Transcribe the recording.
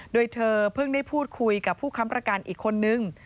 โดยเธอเพิ่งได้พูดคุยกับผู้ค้ำประกันอีกคนนึง